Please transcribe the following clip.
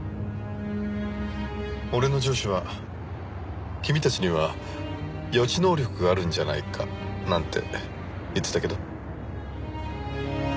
俺の上司は君たちには予知能力があるんじゃないかなんて言ってたけど。